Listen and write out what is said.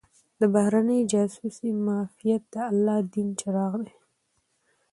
د بهرنۍ جاسوسۍ معافیت د الله دین چراغ دی.